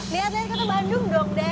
lihat lihat kita bandung dong den